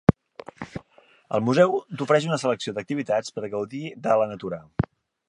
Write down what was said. El museu t'ofereix una selecció d'activitats per gaudir de la natura.